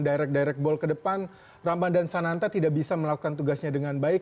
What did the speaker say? direct direct ball ke depan ramadhan sananta tidak bisa melakukan tugasnya dengan baik